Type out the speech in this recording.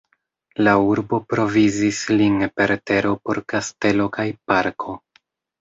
La urbo provizis lin per tero por kastelo kaj parko.